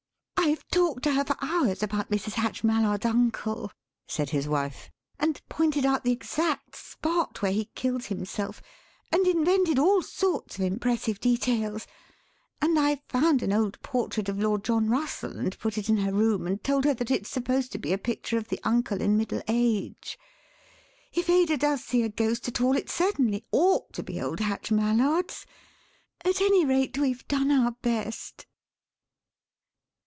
"I've talked to her for hours about Mrs. Hatch Mallard's uncle," said his wife, "and pointed out the exact spot where he killed himself, and invented all sorts of impressive details, and I've found an old portrait of Lord John Russell and put it in her room, and told her that it's supposed to be a picture of the uncle in middle age. If Ada does see a ghost at all it certainly ought to be old Hatch Mallard's. At any rate, we've done our best."